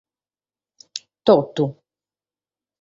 Totu.